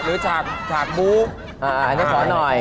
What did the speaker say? หรือฉากบู๊คอันนี้ของหน่อย